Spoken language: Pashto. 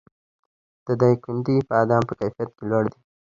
د دایکنډي بادام په کیفیت کې لوړ دي